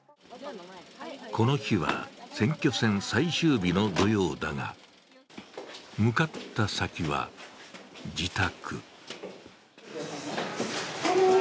この日は選挙戦最終日の土曜だが、向かった先は、自宅。